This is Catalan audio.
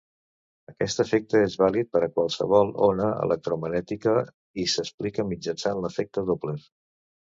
Aquest efecte és vàlid per a qualsevol ona electromagnètica i s'explica mitjançant l'efecte Doppler.